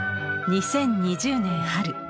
２０２０年春。